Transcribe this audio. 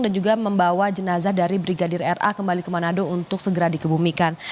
dan juga membawa jenazah dari brigadir ra kembali ke manado untuk segera dikebumikan